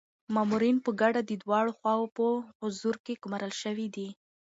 مامورین په ګډه د دواړو خواوو په حضور کي ګمارل شوي دي.